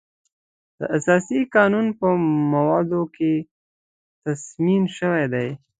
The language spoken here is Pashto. د اساسي قانون په موادو کې تضمین شوی دی.